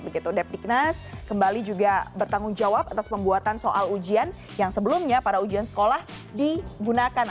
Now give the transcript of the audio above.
begitu depdiknas kembali juga bertanggung jawab atas pembuatan soal ujian yang sebelumnya pada ujian sekolah digunakan